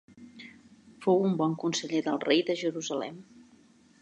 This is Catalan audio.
Fou un bon conseller del rei de Jerusalem.